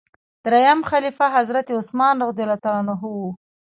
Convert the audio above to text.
دریم خلیفه حضرت عثمان رض و.